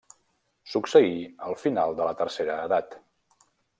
Succeí al final de la Tercera Edat.